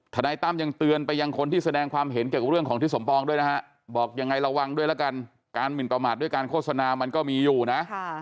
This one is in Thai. นายตั้มยังเตือนไปยังคนที่แสดงความเห็นเกี่ยวกับเรื่องของทิศสมปองด้วยนะฮะบอกยังไงระวังด้วยแล้วกันการหมินประมาทด้วยการโฆษณามันก็มีอยู่นะ